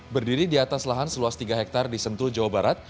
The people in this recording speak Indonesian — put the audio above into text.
berdiri di atas lahan seluas tiga hektare di sentul jawa barat